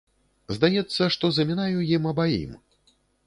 Здаецца, што замінаю ім абаім.